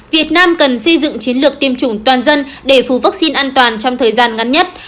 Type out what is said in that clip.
việt nam cần xây dựng chiến lược tiêm chủng toàn dân để phù vaccine an toàn trong thời gian ngắn nhất